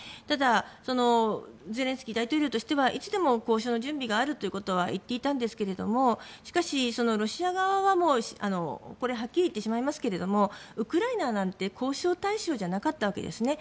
ただゼレンスキー大統領としてはいつでも交渉の準備があるということは言っていたんですけどしかし、ロシア側ははっきり言ってしまいますけどウクライナなんて交渉対象じゃなかったわけです。